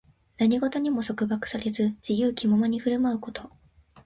何事にも束縛されず、自由気ままに振る舞うこと。